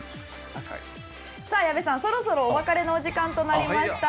矢部さん、そろそろお別れの時間となりました。